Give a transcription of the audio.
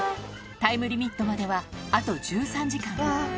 タイムリミットまでは、あと１３時間。